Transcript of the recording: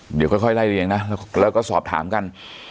เดี๋ยวค่อยไล่เรียงนะแล้วก็สอบถามกัน